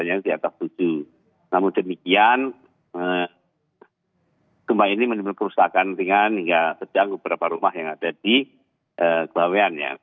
namun demikian gempa ini menyebabkan kerusakan dengan sejauh beberapa rumah yang ada di kebawahannya